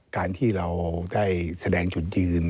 การที่เราได้แสดงจุดยืน